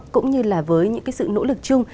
cũng như là với những sự nỗ lực chung